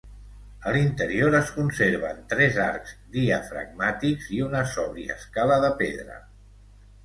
A l'interior es conserven tres arcs diafragmàtics i una sòbria escala de pedra.